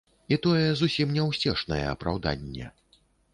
І тое зусім не ўсцешнае апраўданне.